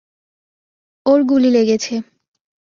ওর গুলি লেগেছে!